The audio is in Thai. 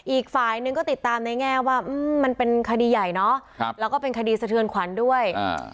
อีกฝ่ายหนึ่งก็ติดตามในแง่ว่ามันเป็นคดีใหญ่เนาะแล้วก็เป็นคดีสะเทือนขวัญด้วยอ่า